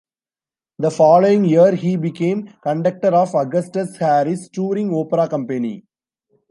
The following year he became conductor of Augustus Harris's touring opera company.